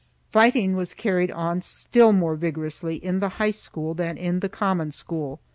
Fighting was carried on still more vigorously in the high school than in the common school.